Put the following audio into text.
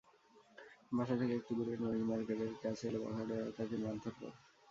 বাসা থেকে একটু দূরে রনি মার্কেটের কাছে এলে বখাটেরা তাকে মারধর করে।